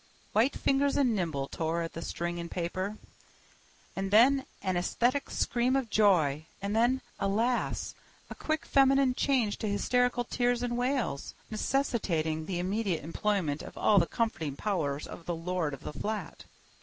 White fingers and nimble tore at the string and paper. And then an ecstatic scream of joy; and then, alas! a quick feminine change to hysterical tears and wails, necessitating the immediate employment of all the comforting powers of the lord of the flat.